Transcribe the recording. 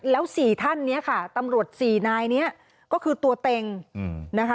แล้ว๔ท่านเนี่ยค่ะตำรวจสี่นายนี้ก็คือตัวเต็งนะคะ